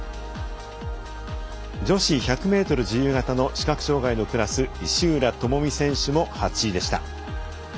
女子１００ｍ自由形の視覚障がいのクラス石浦智美選手も８位でした。